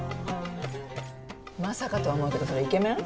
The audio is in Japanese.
まさかとは思うけどそれイケメン？